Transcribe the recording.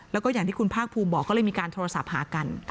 แล้วก็อย่างที่คุณภาคภูมิบอกก็เลยมีการโทรศัพท์หากัน